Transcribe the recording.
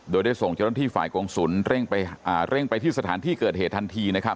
โดยได้ส่งเจ้าหน้าที่ฝ่ายกงศูนย์เร่งไปที่สถานที่เกิดเหตุทันทีนะครับ